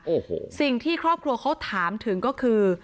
โอ้โหสิ่งที่ครอบครัวเขาถามถึงก็คือ